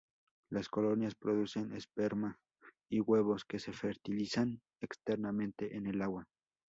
Las colonias producen esperma y huevos que se fertilizan externamente en el agua.